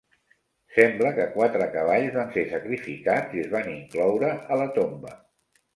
Sembla que quatre cavalls van ser sacrificats i es van incloure a la tomba.